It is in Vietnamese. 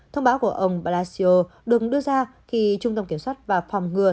thông báo của ông blasio được đưa ra khi trung tâm kiểm soát và phòng ngừa